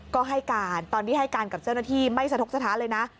ก็ให้การตอนที่ให้การกับเจ้าหน้าที่ไม่สะทกสถานเลยนะ